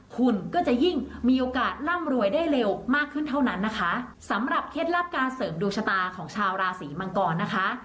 คุณก็จะยิ่งมีโอกาสร่ำรวยได้เร็วมากขึ้นเท่านั้นนะคะสำหรับเคล็ดลับการเสริมดวงชะตาของชาวราศีมังกรนะคะ